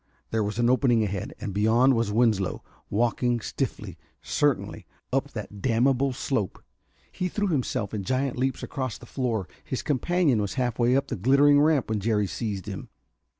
There was an opening ahead, and beyond was Winslow, walking stiffly, certainly, up that damnable slope. He threw himself in giant leaps across the floor. His companion was half way up the glittering ramp when Jerry seized him.